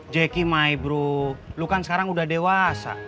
jackie my bro lu kan sekarang udah dewasa